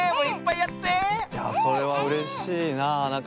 いやそれはうれしいな。